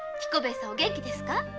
彦兵衛さんお元気ですか？